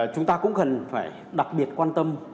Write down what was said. chúng ta cũng cần phải đặc biệt quan tâm